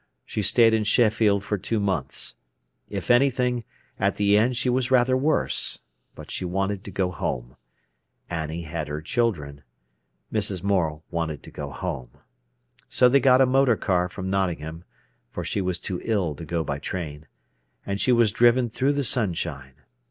She stayed in Sheffield for two months. If anything, at the end she was rather worse. But she wanted to go home. Annie had her children. Mrs. Morel wanted to go home. So they got a motor car from Nottingham—for she was too ill to go by train—and she was driven through the sunshine.